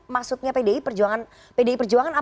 maksudnya pdi perjuangan apa ya pak ericko